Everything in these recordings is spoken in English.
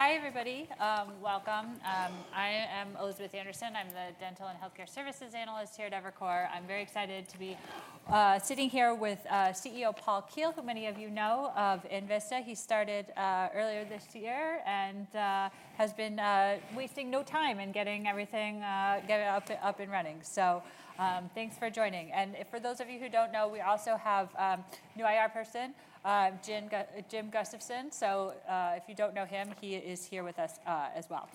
Hi, everybody. Welcome. I am Elizabeth Anderson. I'm the dental and Healthcare Services Analyst here at Evercore. I'm very excited to be sitting here with CEO Paul Keel, who many of you know of Envista. He started earlier this year and has been wasting no time in getting everything up and running. So thanks for joining, and for those of you who don't know, we also have a new IR person, Jim Gustafson, so if you don't know him, he is here with us as well,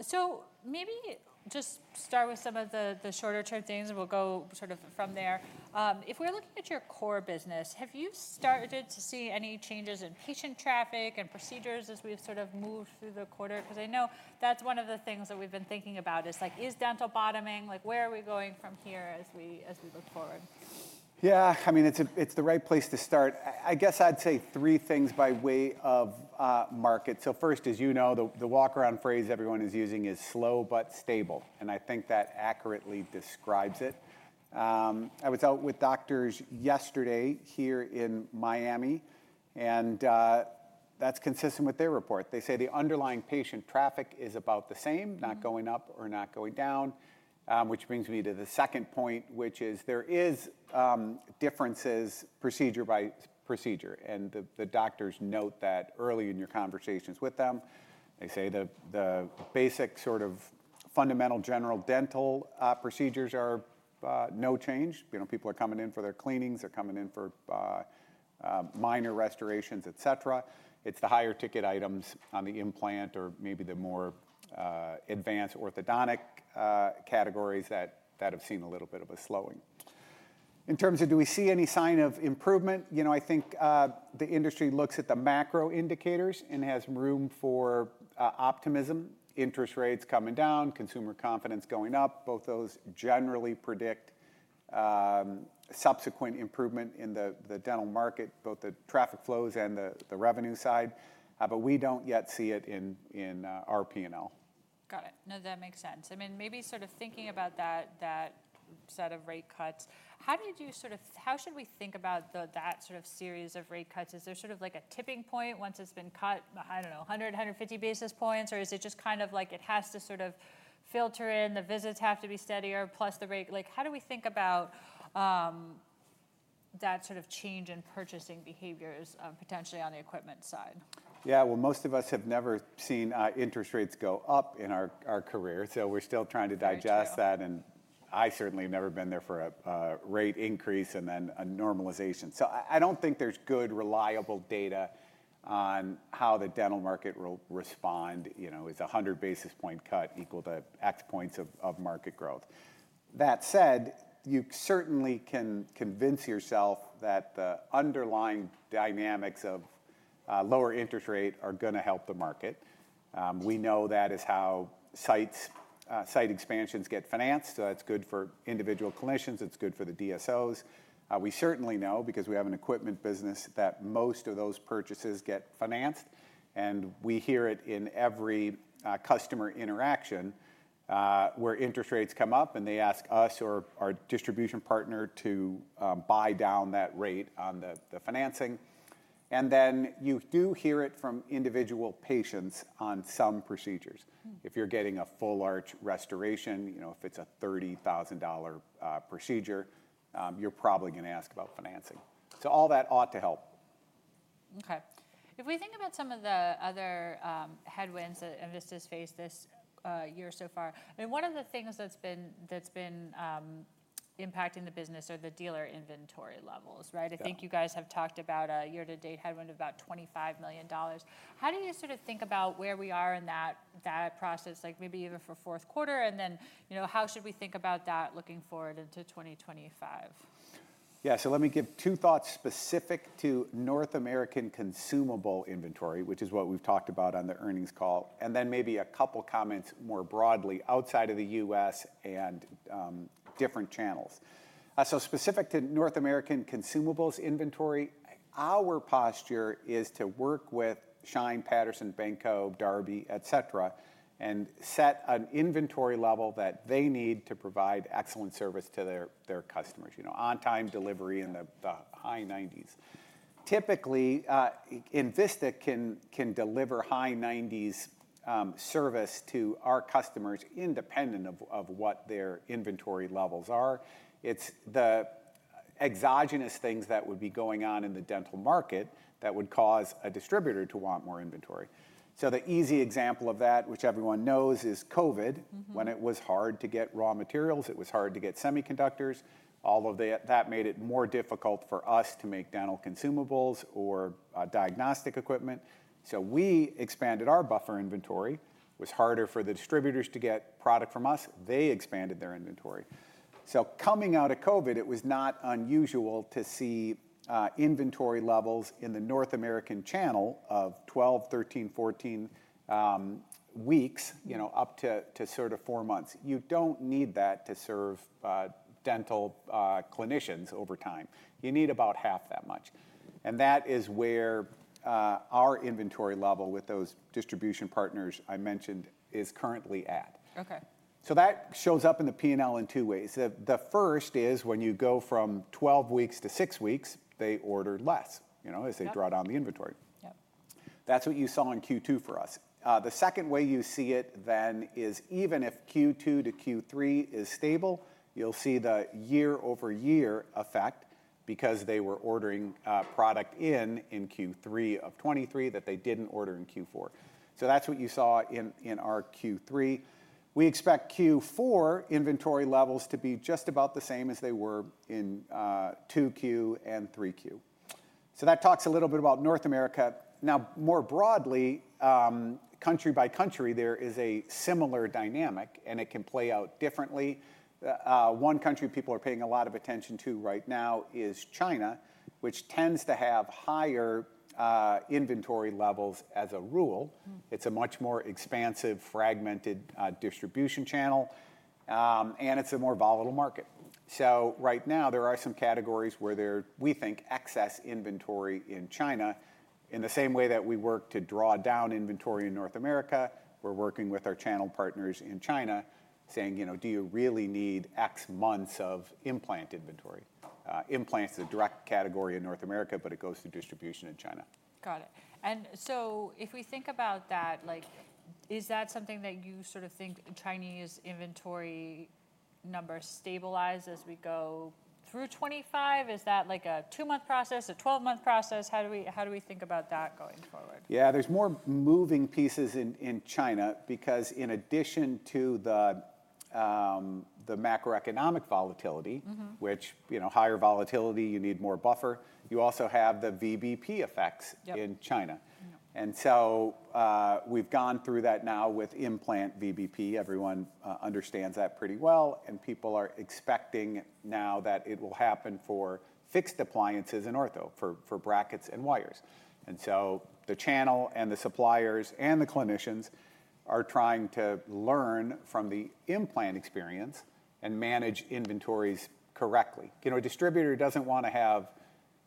so maybe just start with some of the shorter term things, and we'll go sort of from there. If we're looking at your core business, have you started to see any changes in patient traffic and procedures as we've sort of moved through the quarter? Because I know that's one of the things that we've been thinking about is, like, is dental bottoming? Like, where are we going from here as we look forward? Yeah, I mean, it's the right place to start. I guess I'd say three things by way of market. So first, as you know, the walk-around phrase everyone is using is slow but stable. And I think that accurately describes it. I was out with doctors yesterday here in Miami, and that's consistent with their report. They say the underlying patient traffic is about the same, not going up or not going down, which brings me to the second point, which is there are differences procedure by procedure. And the doctors note that early in your conversations with them, they say the basic sort of fundamental general dental procedures are no change. People are coming in for their cleanings. They're coming in for minor restorations, et cetera. It's the higher ticket items on the implant or maybe the more advanced orthodontic categories that have seen a little bit of a slowing. In terms of do we see any sign of improvement, you know, I think the industry looks at the macro indicators and has room for optimism. Interest rates coming down, consumer confidence going up. Both those generally predict subsequent improvement in the dental market, both the traffic flows and the revenue side. But we don't yet see it in our P&L. Got it. No, that makes sense. I mean, maybe sort of thinking about that set of rate cuts, how do you do sort of how should we think about that sort of series of rate cuts? Is there sort of like a tipping point once it's been cut, I don't know, 100, 150 basis points? Or is it just kind of like it has to sort of filter in, the visits have to be steadier, plus the rate? Like, how do we think about that sort of change in purchasing behaviors potentially on the equipment side? Yeah, well, most of us have never seen interest rates go up in our career, so we're still trying to digest that. I certainly have never been there for a rate increase and then a normalization, so I don't think there's good reliable data on how the dental market will respond, you know. Is a 100 basis points cut equal to X points of market growth? That said, you certainly can convince yourself that the underlying dynamics of lower interest rate are going to help the market. We know that is how site expansions get financed, so that's good for individual clinicians. It's good for the DSOs. We certainly know, because we have an equipment business, that most of those purchases get financed. And we hear it in every customer interaction where interest rates come up, and they ask us or our distribution partner to buy down that rate on the financing. And then you do hear it from individual patients on some procedures. If you're getting a full arch restoration, you know, if it's a $30,000 procedure, you're probably going to ask about financing. So all that ought to help. Okay. If we think about some of the other headwinds that Envista has faced this year so far, I mean, one of the things that's been impacting the business are the dealer inventory levels, right? I think you guys have talked about a year-to-date headwind of about $25 million. How do you sort of think about where we are in that process, like maybe even for fourth quarter? And then, you know, how should we think about that looking forward into 2025? Yeah, so let me give two thoughts specific to North American consumable inventory, which is what we've talked about on the earnings call, and then maybe a couple comments more broadly outside of the U.S. and different channels. So specific to North American consumables inventory, our posture is to work with Schein, Patterson, Benco, Darby, et cetera, and set an inventory level that they need to provide excellent service to their customers, you know, on-time delivery in the high 90s. Typically, Envista can deliver high 90s service to our customers independent of what their inventory levels are. It's the exogenous things that would be going on in the dental market that would cause a distributor to want more inventory. So the easy example of that, which everyone knows, is COVID, when it was hard to get raw materials. It was hard to get semiconductors. All of that made it more difficult for us to make dental consumables or diagnostic equipment. So we expanded our buffer inventory. It was harder for the distributors to get product from us. They expanded their inventory. So coming out of COVID, it was not unusual to see inventory levels in the North American channel of 12, 13, 14 weeks, you know, up to sort of four months. You don't need that to serve dental clinicians over time. You need about half that much. And that is where our inventory level with those distribution partners I mentioned is currently at. Okay. So that shows up in the P&L in two ways. The first is when you go from 12 weeks to six weeks, they order less, you know, as they draw down the inventory. Yep. That's what you saw in Q2 for us. The second way you see it then is even if Q2 to Q3 is stable, you'll see the year-over-year effect because they were ordering product in Q3 of 2023 that they didn't order in Q4. So that's what you saw in our Q3. We expect Q4 inventory levels to be just about the same as they were in 2Q and 3Q. So that talks a little bit about North America. Now, more broadly, country by country, there is a similar dynamic, and it can play out differently. One country people are paying a lot of attention to right now is China, which tends to have higher inventory levels as a rule. It's a much more expansive, fragmented distribution channel, and it's a more volatile market. So right now, there are some categories where we think excess inventory in China. In the same way that we work to draw down inventory in North America, we're working with our channel partners in China saying, you know, do you really need X months of implant inventory? Implants is a direct category in North America, but it goes through distribution in China. Got it. And so if we think about that, like, is that something that you sort of think Chinese inventory numbers stabilize as we go through 2025? Is that like a two-month process, a 12-month process? How do we think about that going forward? Yeah, there's more moving pieces in China because in addition to the macroeconomic volatility, which, you know, higher volatility, you need more buffer, you also have the VBP effects in China. And so we've gone through that now with implant VBP. Everyone understands that pretty well. And people are expecting now that it will happen for fixed appliances and ortho for brackets and wires. And so the channel and the suppliers and the clinicians are trying to learn from the implant experience and manage inventories correctly. You know, a distributor doesn't want to have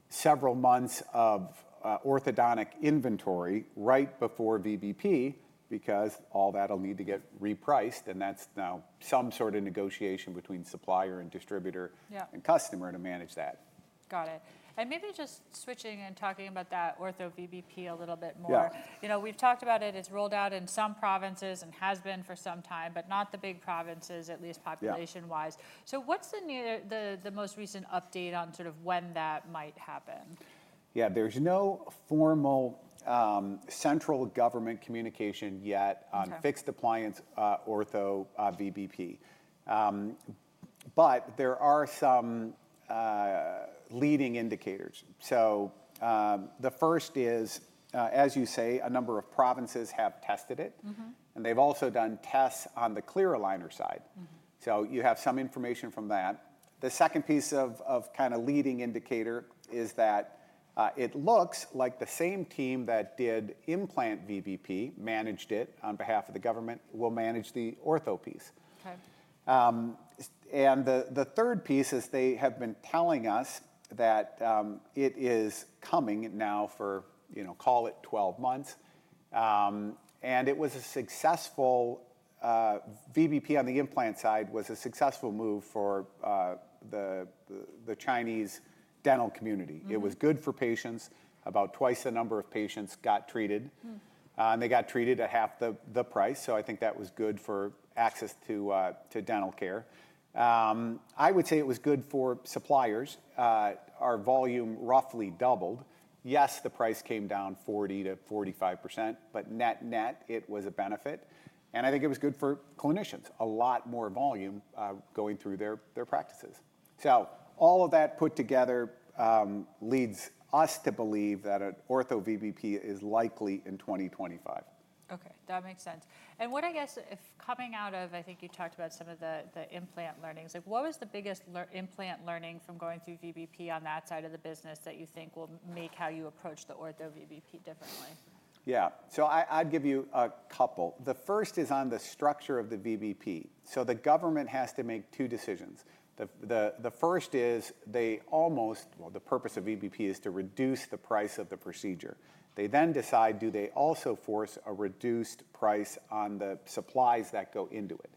several months of orthodontic inventory right before VBP because all that will need to get repriced. And that's now some sort of negotiation between supplier and distributor and customer to manage that. Got it. And maybe just switching and talking about that ortho VBP a little bit more. You know, we've talked about it. It's rolled out in some provinces and has been for some time, but not the big provinces, at least population-wise. So what's the most recent update on sort of when that might happen? Yeah, there's no formal central government communication yet on fixed appliance ortho VBP. But there are some leading indicators. So the first is, as you say, a number of provinces have tested it. And they've also done tests on the clear aligner side. So you have some information from that. The second piece of kind of leading indicator is that it looks like the same team that did implant VBP managed it on behalf of the government will manage the ortho piece. Okay. The third piece is they have been telling us that it is coming now for, you know, call it 12 months. It was a successful VBP on the implant side was a successful move for the Chinese dental community. It was good for patients. About twice the number of patients got treated. They got treated at half the price. I think that was good for access to dental care. I would say it was good for suppliers. Our volume roughly doubled. Yes, the price came down 40%-45%, but net-net, it was a benefit. I think it was good for clinicians, a lot more volume going through their practices. All of that put together leads us to believe that an ortho VBP is likely in 2025. Okay, that makes sense. What I guess, coming out of, I think you talked about some of the implant learnings, like, what was the biggest implant learning from going through VBP on that side of the business that you think will make how you approach the ortho VBP differently? Yeah, so I'd give you a couple. The first is on the structure of the VBP. So the government has to make two decisions. The first is they almost, well, the purpose of VBP is to reduce the price of the procedure. They then decide, do they also force a reduced price on the supplies that go into it?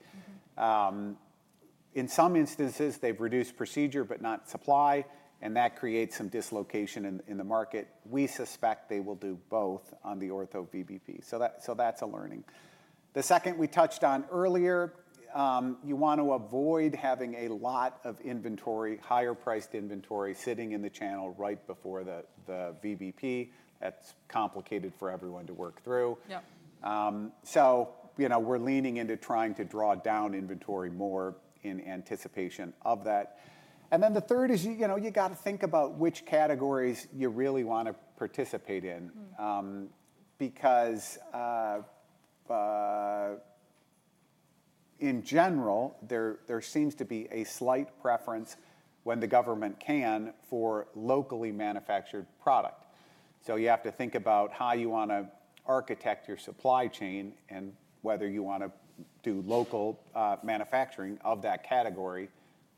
In some instances, they've reduced procedure, but not supply. And that creates some dislocation in the market. We suspect they will do both on the ortho VBP. So that's a learning. The second we touched on earlier, you want to avoid having a lot of inventory, higher-priced inventory sitting in the channel right before the VBP. That's complicated for everyone to work through. Yep. So, you know, we're leaning into trying to draw down inventory more in anticipation of that. And then the third is, you know, you got to think about which categories you really want to participate in. Because in general, there seems to be a slight preference when the government can for locally manufactured product. So you have to think about how you want to architect your supply chain and whether you want to do local manufacturing of that category,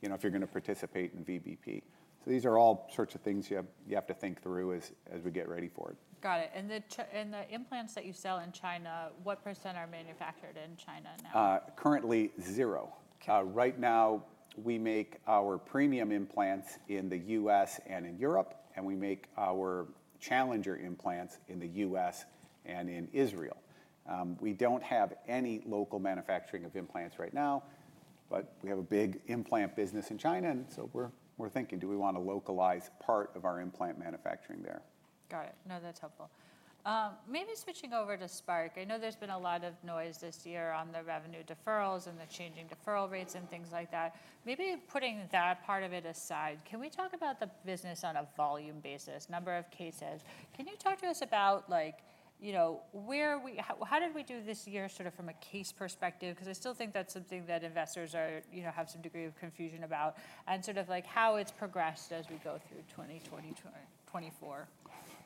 you know, if you're going to participate in VBP. So these are all sorts of things you have to think through as we get ready for it. Got it. And the implants that you sell in China, what percent are manufactured in China now? Currently, zero. Right now, we make our premium implants in the U.S. and in Europe, and we make our challenger implants in the U.S. and in Israel. We don't have any local manufacturing of implants right now, but we have a big implant business in China, and so we're thinking, do we want to localize part of our implant manufacturing there? Got it. No, that's helpful. Maybe switching over to Spark. I know there's been a lot of noise this year on the revenue deferrals and the changing deferral rates and things like that. Maybe putting that part of it aside, can we talk about the business on a volume basis, number of cases? Can you talk to us about, like, you know, where we, how did we do this year sort of from a case perspective? Because I still think that's something that investors are, you know, have some degree of confusion about, and sort of like how it's progressed as we go through 2024.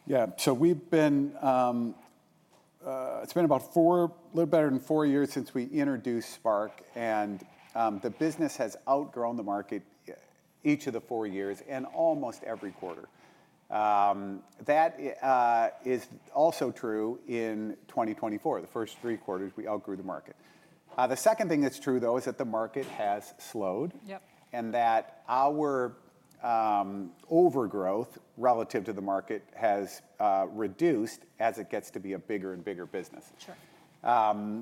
Yeah, so it's been about four, a little better than four years since we introduced Spark. And the business has outgrown the market each of the four years and almost every quarter. That is also true in 2024. The first three quarters, we outgrew the market. The second thing that's true, though, is that the market has slowed. Yep. That our outgrowth relative to the market has reduced as it gets to be a bigger and bigger business. Sure.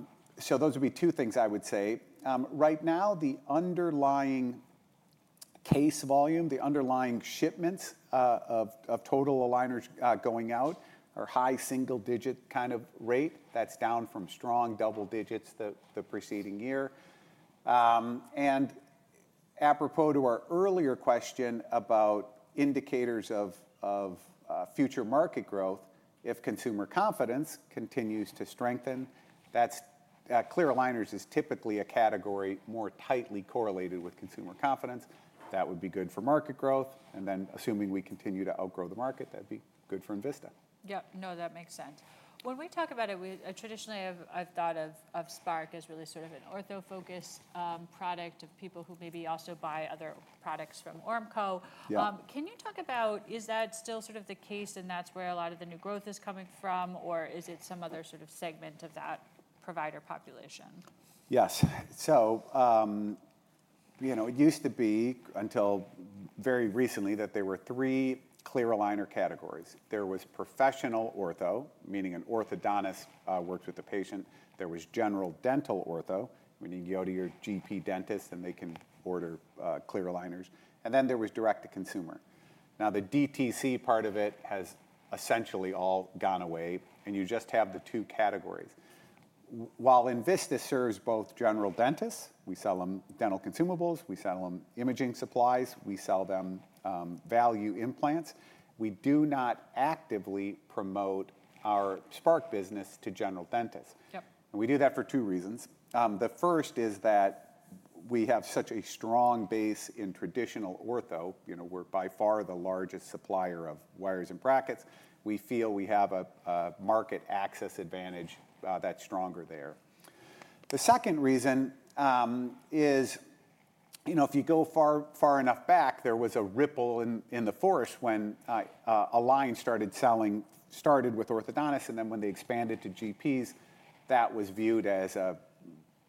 Those would be two things I would say. Right now, the underlying case volume, the underlying shipments of total aligners going out are high single-digit kind of rate. That's down from strong double digits the preceding year. Apropos to our earlier question about indicators of future market growth, if consumer confidence continues to strengthen, that's clear aligners is typically a category more tightly correlated with consumer confidence. That would be good for market growth. And then assuming we continue to outgrow the market, that'd be good for Envista. Yep. No, that makes sense. When we talk about it, traditionally, I've thought of Spark as really sort of an ortho-focused product of people who maybe also buy other products from Ormco. Can you talk about, is that still sort of the case and that's where a lot of the new growth is coming from, or is it some other sort of segment of that provider population? Yes. So, you know, it used to be until very recently that there were three clear aligner categories. There was professional ortho, meaning an orthodontist works with the patient. There was general dental ortho, meaning you go to your GP dentist and they can order clear aligners. And then there was direct-to-consumer. Now, the DTC part of it has essentially all gone away. And you just have the two categories. While Envista serves both general dentists, we sell them dental consumables, we sell them imaging supplies, we sell them value implants, we do not actively promote our Spark business to general dentists. Yep. And we do that for two reasons. The first is that we have such a strong base in traditional ortho. You know, we're by far the largest supplier of wires and brackets. We feel we have a market access advantage that's stronger there. The second reason is, you know, if you go far enough back, there was a ripple in the force when Align started selling, started with orthodontists, and then when they expanded to GPs, that was viewed as a,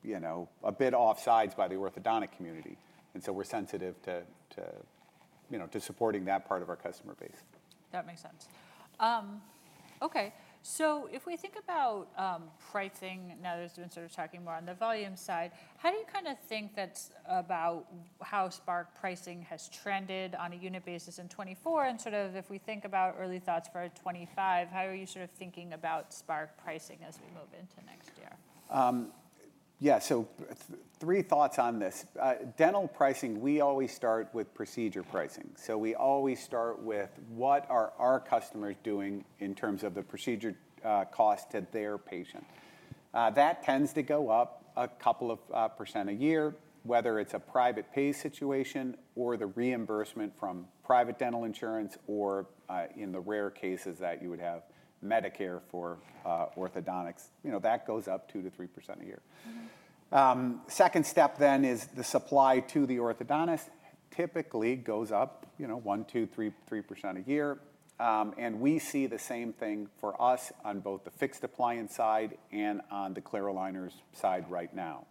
you know, a bit offsides by the orthodontic community. And so we're sensitive to, you know, to supporting that part of our customer base. That makes sense. Okay, so if we think about pricing, now that we've been sort of talking more on the volume side, how do you kind of think that's about how Spark pricing has trended on a unit basis in 2024? And sort of if we think about early thoughts for 2025, how are you sort of thinking about Spark pricing as we move into next year? Yeah, so three thoughts on this. Dental pricing, we always start with procedure pricing. So we always start with what are our customers doing in terms of the procedure cost to their patient. That tends to go up a couple of percent a year, whether it's a private pay situation or the reimbursement from private dental insurance or in the rare cases that you would have Medicare for orthodontics. You know, that goes up 2%-3% a year. Second step then is the supply to the orthodontist typically goes up, you know, 1%, 2%, 3% a year. And we see the same thing for us on both the fixed appliance side and on the clear aligners side right now.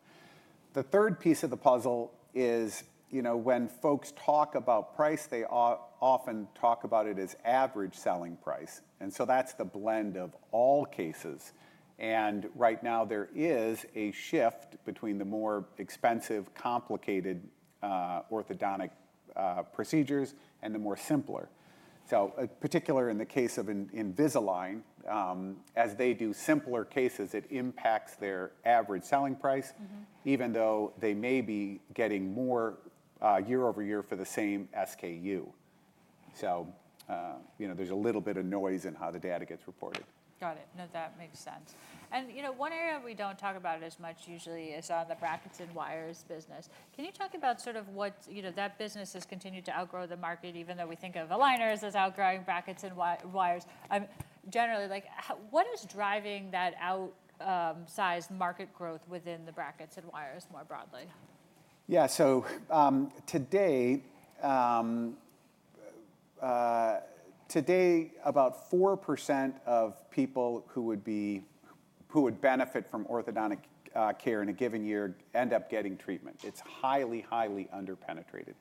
The third piece of the puzzle is, you know, when folks talk about price, they often talk about it as average selling price. That's the blend of all cases. Right now, there is a shift between the more expensive, complicated orthodontic procedures and the more simpler. Particularly in the case of Invisalign, as they do simpler cases, it impacts their average selling price, even though they may be getting more year over year for the same SKU. You know, there's a little bit of noise in how the data gets reported. Got it. No, that makes sense. And, you know, one area we don't talk about it as much usually is on the brackets and wires business. Can you talk about sort of what, you know, that business has continued to outgrow the market, even though we think of aligners as outgrowing brackets and wires? Generally, like, what is driving that outsized market growth within the brackets and wires more broadly? Yeah, so today about 4% of people who would benefit from orthodontic care in a given year end up getting treatment. It's highly, highly underpenetrated.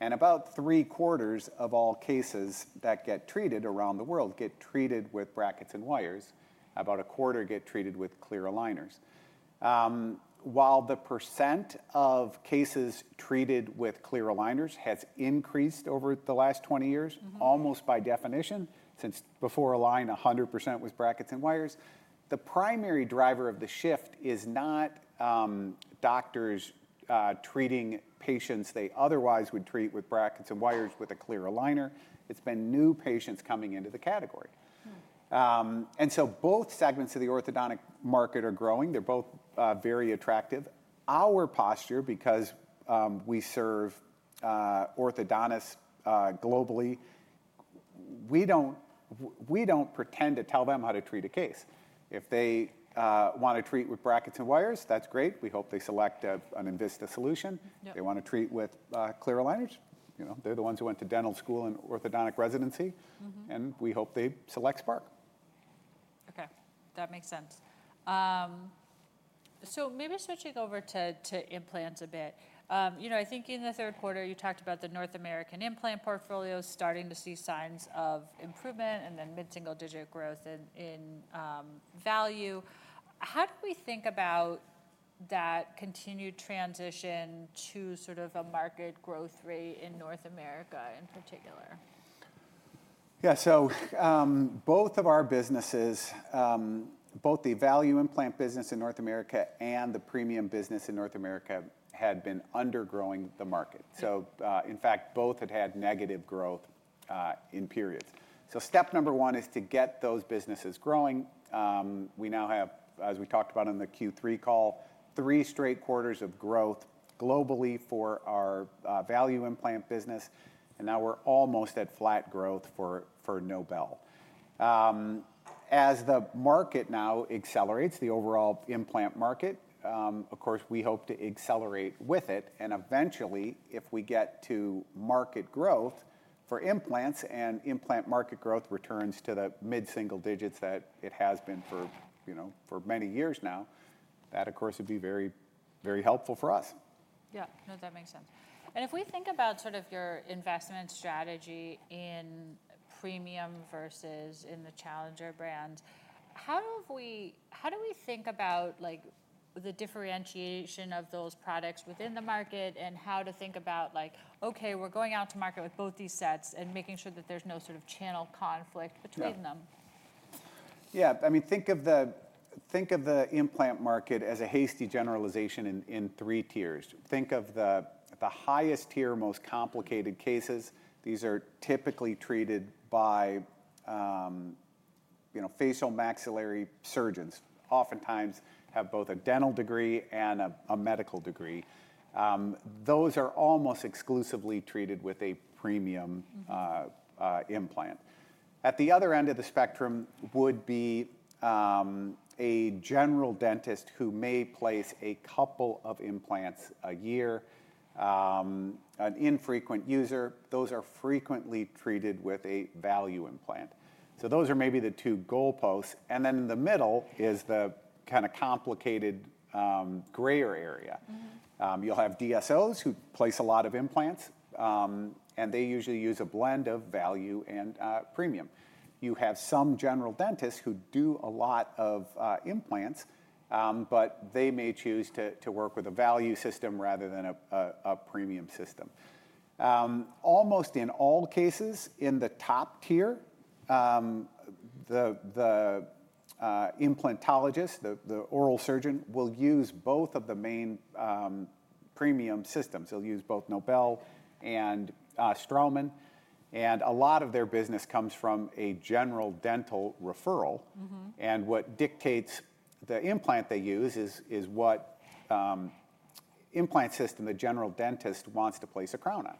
And about three quarters of all cases that get treated around the world get treated with brackets and wires. About a quarter get treated with clear aligners. While the percent of cases treated with clear aligners has increased over the last 20 years, almost by definition, since before Align, 100% was brackets and wires, the primary driver of the shift is not doctors treating patients they otherwise would treat with brackets and wires with a clear aligner. It's been new patients coming into the category. And so both segments of the orthodontic market are growing. They're both very attractive. Our posture, because we serve orthodontists globally, we don't pretend to tell them how to treat a case. If they want to treat with brackets and wires, that's great. We hope they select an Envista Solution. If they want to treat with clear aligners, you know, they're the ones who went to dental school and orthodontic residency. And we hope they select Spark. Okay, that makes sense. So maybe switching over to implants a bit. You know, I think in the third quarter, you talked about the North American implant portfolio starting to see signs of improvement and then mid-single digit growth in value. How do we think about that continued transition to sort of a market growth rate in North America in particular? Yeah, so both of our businesses, both the value implant business in North America and the premium business in North America had been undergrowing the market. So in fact, both had had negative growth in periods. So step number one is to get those businesses growing. We now have, as we talked about on the Q3 call, three straight quarters of growth globally for our value implant business. And now we're almost at flat growth for Nobel. As the market now accelerates, the overall implant market, of course, we hope to accelerate with it. And eventually, if we get to market growth for implants and implant market growth returns to the mid-single digits that it has been for, you know, for many years now, that, of course, would be very, very helpful for us. Yeah, no, that makes sense. And if we think about sort of your investment strategy in premium versus in the challenger brand, how do we think about, like, the differentiation of those products within the market and how to think about, like, okay, we're going out to market with both these sets and making sure that there's no sort of channel conflict between them? Yeah, I mean, think of the implant market as a hasty generalization in three tiers. Think of the highest tier, most complicated cases. These are typically treated by, you know, facial maxillary surgeons, oftentimes have both a dental degree and a medical degree. Those are almost exclusively treated with a premium implant. At the other end of the spectrum would be a general dentist who may place a couple of implants a year, an infrequent user. Those are frequently treated with a value implant. So those are maybe the two goalposts. And then in the middle is the kind of complicated grayer area. You'll have DSOs who place a lot of implants, and they usually use a blend of value and premium. You have some general dentists who do a lot of implants, but they may choose to work with a value system rather than a premium system. Almost in all cases, in the top tier, the implantologist, the oral surgeon, will use both of the main premium systems. They'll use both Nobel and Straumann. And a lot of their business comes from a general dental referral. And what dictates the implant they use is what implant system the general dentist wants to place a crown on.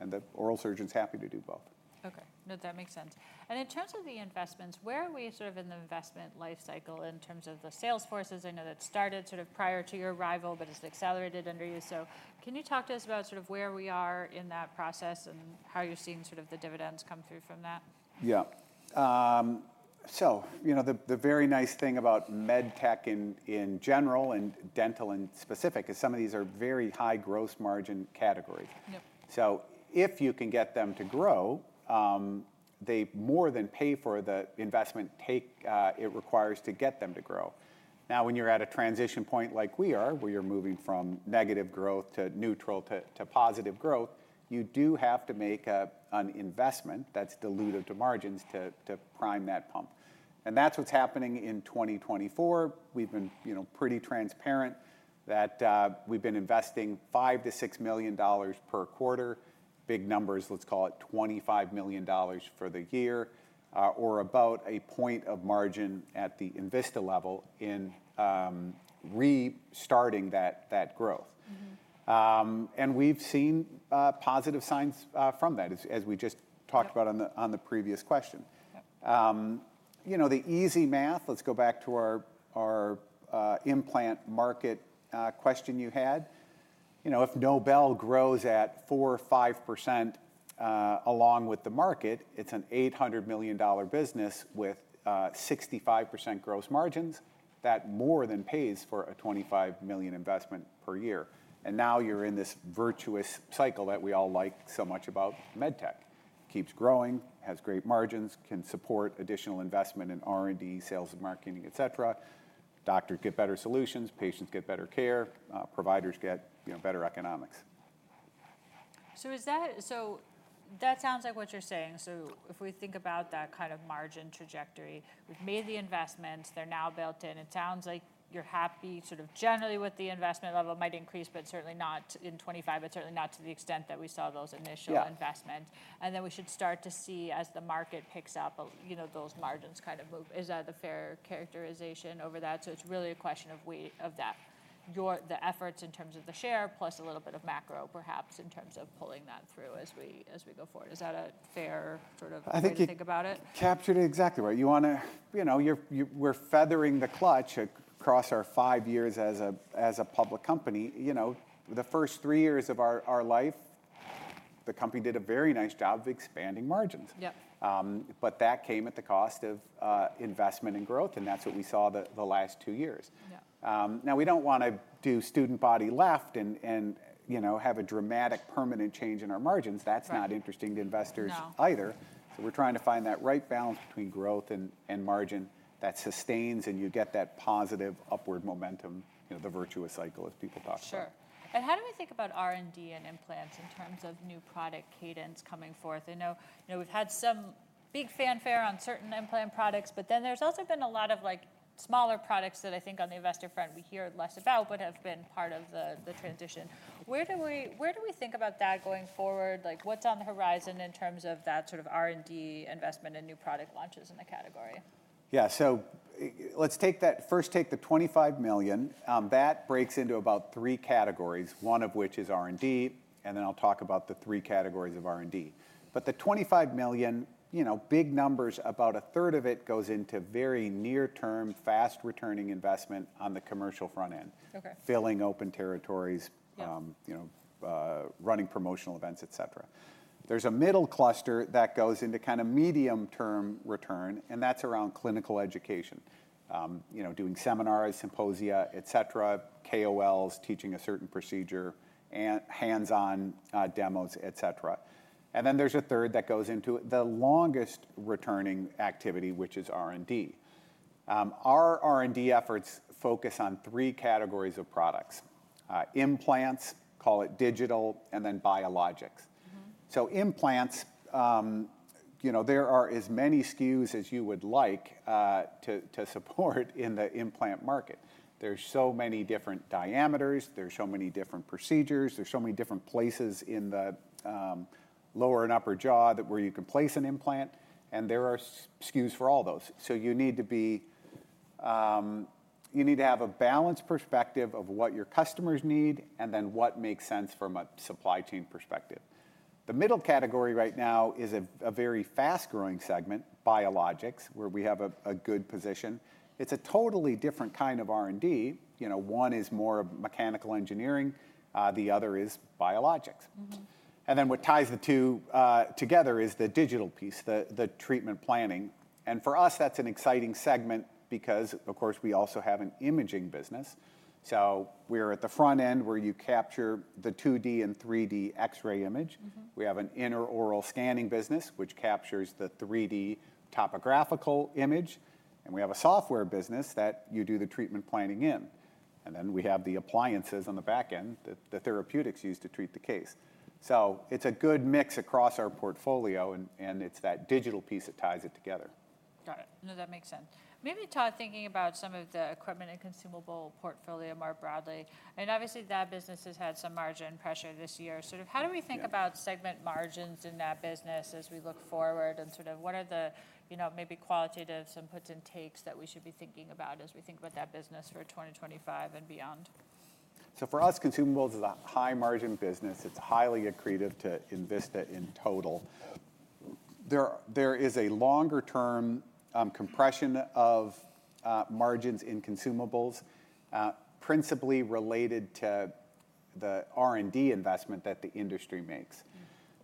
And the oral surgeon's happy to do both. Okay, no, that makes sense. And in terms of the investments, where are we sort of in the investment life cycle in terms of the sales forces? I know that started sort of prior to your arrival, but it's accelerated under you. So can you talk to us about sort of where we are in that process and how you're seeing sort of the dividends come through from that? Yeah. So, you know, the very nice thing about med tech in general and dental in specific is some of these are very high gross margin categories. So if you can get them to grow, they more than pay for the investment it requires to get them to grow. Now, when you're at a transition point like we are, where you're moving from negative growth to neutral to positive growth, you do have to make an investment that's dilutive to margins to prime that pump. And that's what's happening in 2024. We've been, you know, pretty transparent that we've been investing $5-$6 million per quarter, big numbers, let's call it $25 million for the year, or about a point of margin at the Envista level in restarting that growth. And we've seen positive signs from that, as we just talked about on the previous question. You know, the easy math, let's go back to our implant market question you had. You know, if Nobel grows at 4% or 5% along with the market, it's an $800 million business with 65% gross margins. That more than pays for a $25 million investment per year. And now you're in this virtuous cycle that we all like so much about med tech. Keeps growing, has great margins, can support additional investment in R&D, sales and marketing, et cetera. Doctors get better solutions, patients get better care, providers get, you know, better economics. So that sounds like what you're saying. So if we think about that kind of margin trajectory, we've made the investments, they're now built in. It sounds like you're happy sort of generally with the investment level might increase, but certainly not in 2025, but certainly not to the extent that we saw those initial investments. And then we should start to see as the market picks up, you know, those margins kind of move. Is that a fair characterization over that? So it's really a question of that, the efforts in terms of the share, plus a little bit of macro perhaps in terms of pulling that through as we go forward. Is that a fair sort of way to think about it? I think you captured it exactly right. You want to, you know, we're feathering the clutch across our five years as a public company. You know, the first three years of our life, the company did a very nice job of expanding margins. Yep. But that came at the cost of investment and growth, and that's what we saw the last two years. Now, we don't want to do a sudden left and, you know, have a dramatic permanent change in our margins. That's not interesting to investors either. So we're trying to find that right balance between growth and margin that sustains, and you get that positive upward momentum, you know, the virtuous cycle as people talk about. Sure. And how do we think about R&D and implants in terms of new product cadence coming forth? I know we've had some big fanfare on certain implant products, but then there's also been a lot of, like, smaller products that I think on the investor front we hear less about but have been part of the transition. Where do we think about that going forward? Like, what's on the horizon in terms of that sort of R&D investment and new product launches in the category? Yeah, so let's take that: first, take the $25 million. That breaks into about three categories, one of which is R&D, and then I'll talk about the three categories of R&D, but the $25 million, you know, big numbers, about a third of it goes into very near-term, fast returning investment on the commercial front end, filling open territories, you know, running promotional events, et cetera. There's a middle cluster that goes into kind of medium-term return, and that's around clinical education, you know, doing seminars, symposia, et cetera, KOLs teaching a certain procedure, hands-on demos, et cetera, and then there's a third that goes into the longest returning activity, which is R&D. Our R&D efforts focus on three categories of products: implants, call it digital, and then biologics, so implants, you know, there are as many SKUs as you would like to support in the implant market. There's so many different diameters. There's so many different procedures. There's so many different places in the lower and upper jaw where you can place an implant. And there are SKUs for all those. So you need to be, you need to have a balanced perspective of what your customers need and then what makes sense from a supply chain perspective. The middle category right now is a very fast-growing segment, biologics, where we have a good position. It's a totally different kind of R&D. You know, one is more of mechanical engineering. The other is biologics. And then what ties the two together is the digital piece, the treatment planning. And for us, that's an exciting segment because, of course, we also have an imaging business. So we're at the front end where you capture the 2D and 3D X-ray image. We have an intraoral scanning business, which captures the 3D topographical image, and we have a software business that you do the treatment planning in, and then we have the appliances on the back end, the therapeutics used to treat the case, so it's a good mix across our portfolio, and it's that digital piece that ties it together. Got it. No, that makes sense. Maybe, thought, thinking about some of the equipment and consumable portfolio more broadly, and obviously that business has had some margin pressure this year. Sort of how do we think about segment margins in that business as we look forward? And sort of what are the, you know, maybe qualitative inputs and takes that we should be thinking about as we think about that business for 2025 and beyond? So for us, consumables is a high-margin business. It's highly accretive to Envista in total. There is a longer-term compression of margins in consumables, principally related to the R&D investment that the industry makes.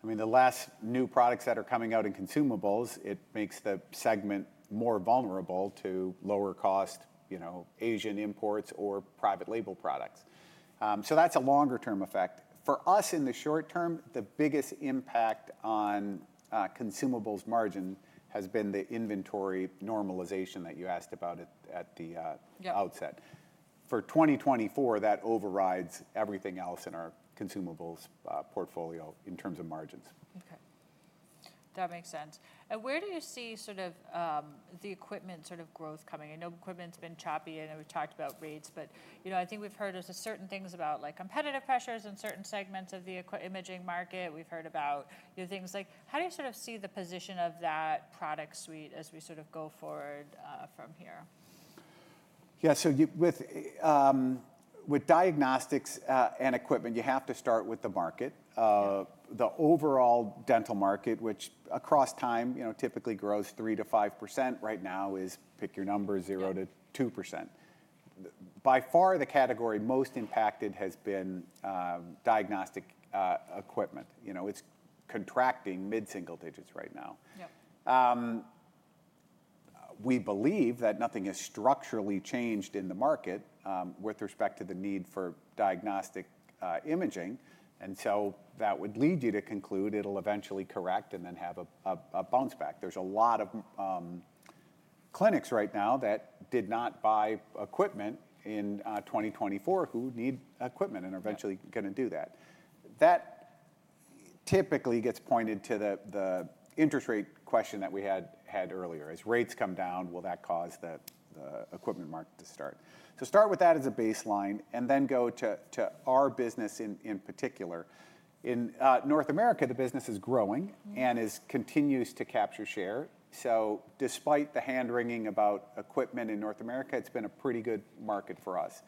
I mean, the last new products that are coming out in consumables, it makes the segment more vulnerable to lower-cost, you know, Asian imports or private label products. So that's a longer-term effect. For us, in the short term, the biggest impact on consumables margin has been the inventory normalization that you asked about at the outset. For 2024, that overrides everything else in our consumables portfolio in terms of margins. Okay. That makes sense. And where do you see sort of the equipment sort of growth coming? I know equipment's been choppy, and we've talked about rates, but, you know, I think we've heard there's certain things about, like, competitive pressures in certain segments of the imaging market. We've heard about, you know, things like, how do you sort of see the position of that product suite as we sort of go forward from here? Yeah, so with diagnostics and equipment, you have to start with the market. The overall dental market, which across time, you know, typically grows 3%-5%, right now is, pick your number, 0%-2%. By far, the category most impacted has been diagnostic equipment. You know, it's contracting mid-single digits right now. We believe that nothing has structurally changed in the market with respect to the need for diagnostic imaging. And so that would lead you to conclude it'll eventually correct and then have a bounce back. There's a lot of clinics right now that did not buy equipment in 2024 who need equipment and are eventually going to do that. That typically gets pointed to the interest rate question that we had earlier. As rates come down, will that cause the equipment market to start? So start with that as a baseline and then go to our business in particular. In North America, the business is growing and continues to capture share. So despite the hand-wringing about equipment in North America, it's been a pretty good market for us.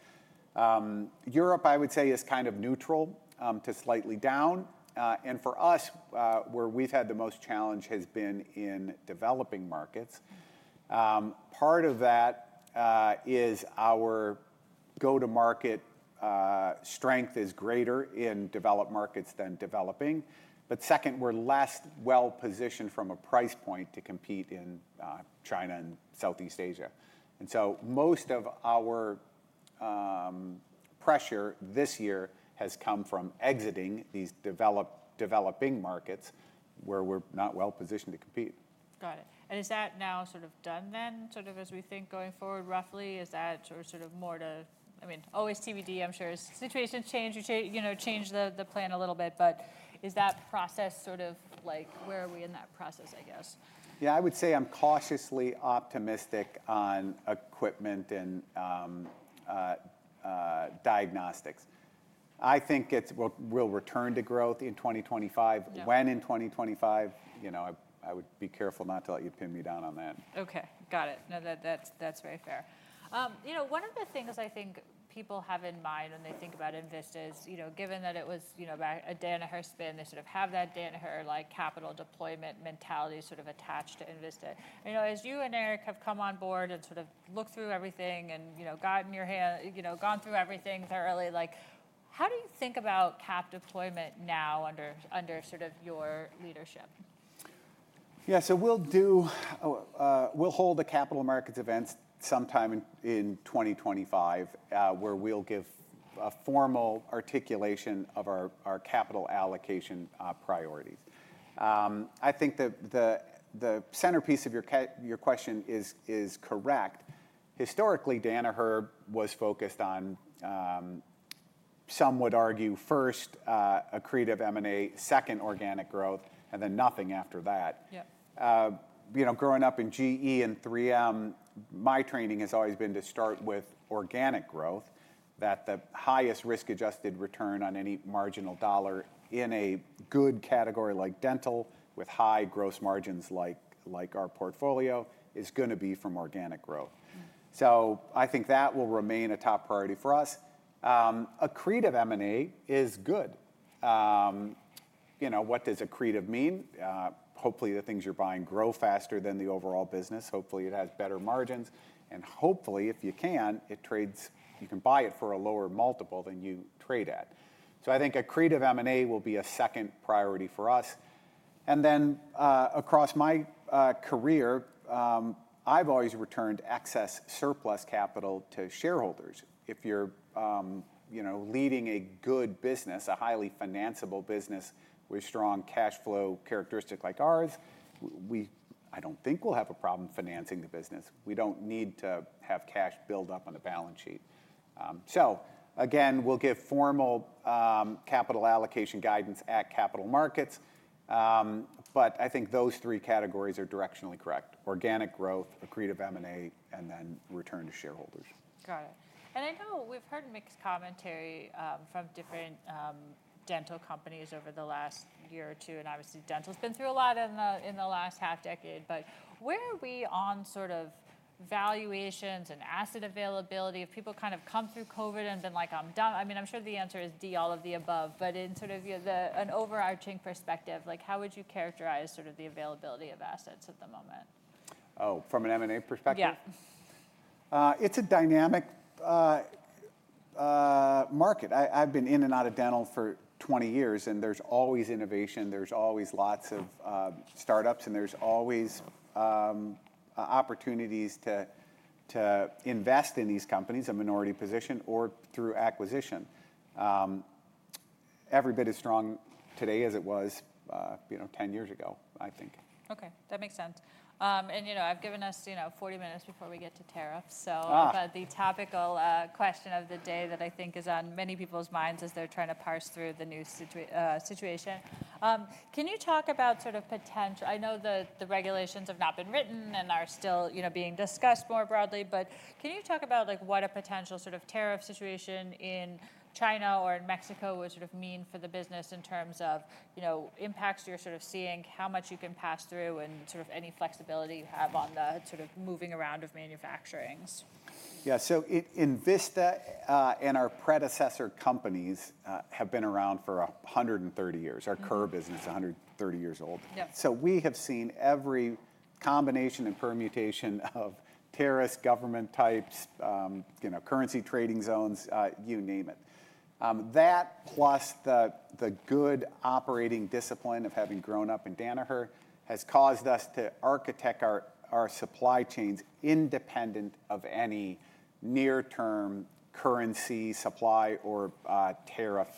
Europe, I would say, is kind of neutral to slightly down. And for us, where we've had the most challenge has been in developing markets. Part of that is our go-to-market strength is greater in developed markets than developing. But second, we're less well-positioned from a price point to compete in China and Southeast Asia. And so most of our pressure this year has come from exiting these developing markets where we're not well-positioned to compete. Got it. And is that now sort of done then, sort of as we think going forward roughly? Is that sort of more to, I mean, always TBD, I'm sure situations change, you know, change the plan a little bit, but is that process sort of like, where are we in that process, I guess? Yeah, I would say I'm cautiously optimistic on equipment and diagnostics. I think it will return to growth in 2025. When in 2025, you know, I would be careful not to let you pin me down on that. Okay. Got it. No, that's very fair. You know, one of the things I think people have in mind when they think about Envista is, you know, given that it was, you know, a Danaher spin, they sort of have that Danaher, like, capital deployment mentality sort of attached to Envista. You know, as you and Eric have come on board and sort of looked through everything and, you know, gotten your hand, you know, gone through everything thoroughly, like, how do you think about cap deployment now under sort of your leadership? Yeah, so we'll do, we'll hold the capital markets events sometime in 2025 where we'll give a formal articulation of our capital allocation priorities. I think the centerpiece of your question is correct. Historically, Danaher was focused on, some would argue, first, accretive M&A, second, organic growth, and then nothing after that. You know, growing up in GE and 3M, my training has always been to start with organic growth, that the highest risk-adjusted return on any marginal dollar in a good category like dental with high gross margins like our portfolio is going to be from organic growth. So I think that will remain a top priority for us. Accretive M&A is good. You know, what does accretive mean? Hopefully, the things you're buying grow faster than the overall business. Hopefully, it has better margins. And hopefully, if you can, it trades, you can buy it for a lower multiple than you trade at. So I think accretive M&A will be a second priority for us. And then across my career, I've always returned excess surplus capital to shareholders. If you're, you know, leading a good business, a highly financeable business with strong cash flow characteristics like ours, I don't think we'll have a problem financing the business. We don't need to have cash build up on the balance sheet. So again, we'll give formal capital allocation guidance at capital markets. But I think those three categories are directionally correct: organic growth, accretive M&A, and then return to shareholders. Got it. And I know we've heard mixed commentary from different dental companies over the last year or two, and obviously dental's been through a lot in the last half-decade. But where are we on sort of valuations and asset availability? Have people kind of come through COVID and been like, "I'm done"? I mean, I'm sure the answer is D, all of the above. But in sort of an overarching perspective, like, how would you characterize sort of the availability of assets at the moment? Oh, from an M&A perspective? Yeah. It's a dynamic market. I've been in and out of dental for 20 years, and there's always innovation. There's always lots of startups, and there's always opportunities to invest in these companies, a minority position, or through acquisition. Every bit as strong today as it was, you know, 10 years ago, I think. Okay. That makes sense. And, you know, I've given us, you know, 40 minutes before we get to tariffs. So. But the topical question of the day that I think is on many people's minds as they're trying to parse through the new situation. Can you talk about sort of potential? I know the regulations have not been written and are still, you know, being discussed more broadly, but can you talk about, like, what a potential sort of tariff situation in China or in Mexico would sort of mean for the business in terms of, you know, impacts you're sort of seeing, how much you can pass through, and sort of any flexibility you have on the sort of moving around of manufacturing? Yeah, so Envista and our predecessor companies have been around for 130 years. Our Kerr business is 130 years old. So we have seen every combination and permutation of tariffs, government types, you know, currency trading zones, you name it. That, plus the good operating discipline of having grown up in Danaher, has caused us to architect our supply chains independent of any near-term currency supply or tariff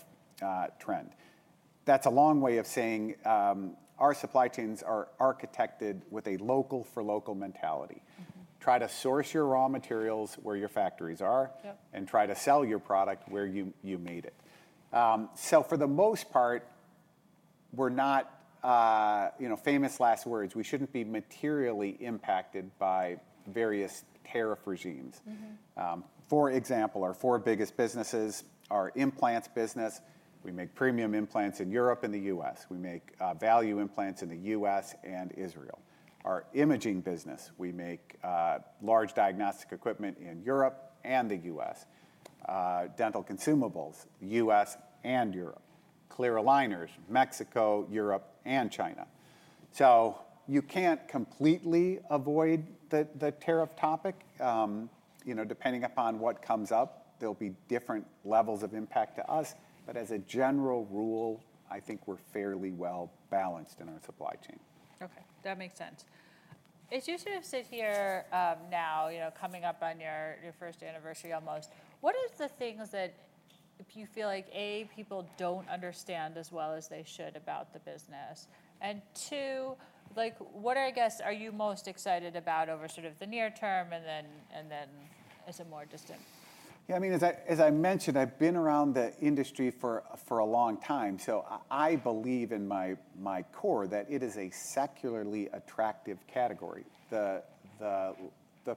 trend. That's a long way of saying our supply chains are architected with a local-for-local mentality. Try to source your raw materials where your factories are and try to sell your product where you made it. So for the most part, we're not, you know, famous last words. We shouldn't be materially impacted by various tariff regimes. For example, our four biggest businesses, our implants business, we make premium implants in Europe and the U.S. We make value implants in the U.S. and Israel. Our imaging business, we make large diagnostic equipment in Europe and the U.S. Dental consumables, U.S. and Europe. Clear aligners, Mexico, Europe, and China. So you can't completely avoid the tariff topic. You know, depending upon what comes up, there'll be different levels of impact to us. But as a general rule, I think we're fairly well balanced in our supply chain. Okay. That makes sense. As you sort of sit here now, you know, coming up on your first anniversary almost, what are the things that you feel like, A, people don't understand as well as they should about the business? And two, like, what are, I guess, are you most excited about over sort of the near term and then as a more distant? Yeah, I mean, as I mentioned, I've been around the industry for a long time. So I believe in my core that it is a secularly attractive category. The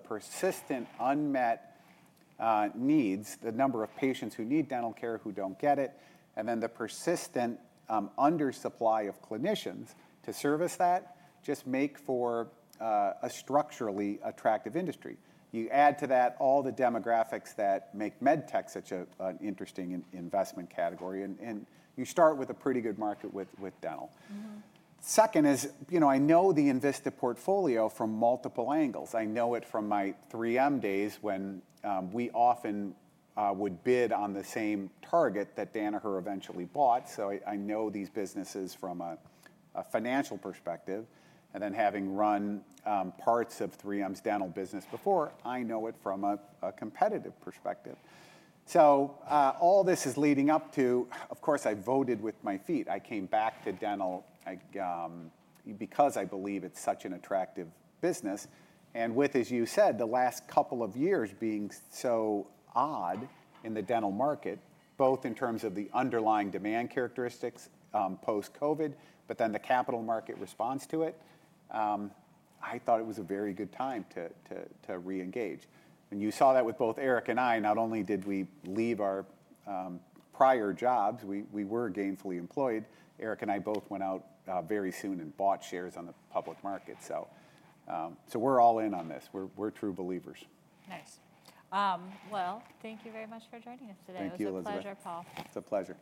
persistent unmet needs, the number of patients who need dental care who don't get it, and then the persistent undersupply of clinicians to service that just make for a structurally attractive industry. You add to that all the demographics that make med tech such an interesting investment category, and you start with a pretty good market with dental. Second is, you know, I know the Envista portfolio from multiple angles. I know it from my 3M days when we often would bid on the same target that Danaher eventually bought. So I know these businesses from a financial perspective. And then having run parts of 3M's dental business before, I know it from a competitive perspective. So all this is leading up to, of course, I voted with my feet. I came back to dental because I believe it's such an attractive business. And with, as you said, the last couple of years being so odd in the dental market, both in terms of the underlying demand characteristics post-COVID, but then the capital market response to it, I thought it was a very good time to reengage. And you saw that with both Eric and I. Not only did we leave our prior jobs, we were gainfully employed. Eric and I both went out very soon and bought shares on the public market. So we're all in on this. We're true believers. Nice. Well, thank you very much for joining us today. Thank you. It was a pleasure, Paul. It's a pleasure.